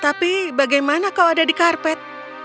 tapi bagaimana kau ada di karpet